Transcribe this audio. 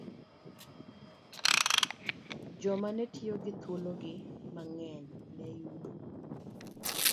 Joma ne tiyo gi thuologi mang'eny ne yudo